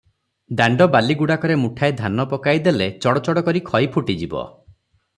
ଦାଣ୍ତ ବାଲିଗୁଡ଼ାକରେ ମୁଠାଏ ଧାନ ପକାଇ ଦେଲେ ଚଡ଼ଚଡ଼ କରି ଖଇ ଫୁଟିଯିବ ।